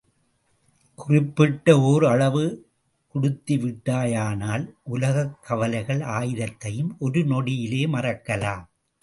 குறிப்பிட்ட ஓர் அளவு குடித்து விட்டாயானால் உலகக்கவலைகள் ஆயிரத்தையும் ஒரு நொடியிலே மறக்கலாம்.